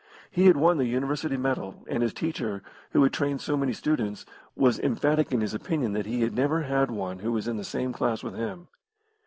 He had won the University medal, and his teacher, who had trained so many students, was emphatic in his opinion that he had never had one who was in the same class with him.